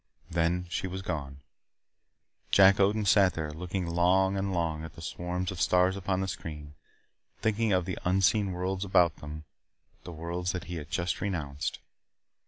Then she was gone. Jack Odin sat there, looking long and long at the swarm of stars upon the screen, thinking of the unseen worlds about them the worlds that he had just renounced.